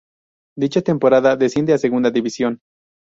Dicha temporada desciende a Segunda División.